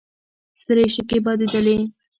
سرې شګې بادېدلې.